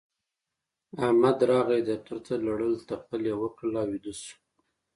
احمد راغی دفتر ته؛ لړل تپل يې وکړل او ويده شو.